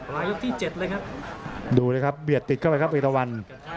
ยกที่๗เลยครับดูเลยครับเบียดติดเข้าไปครับเอกตะวัน